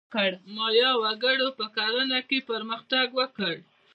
د مایا وګړو په کرنه کې پرمختګ وکړ.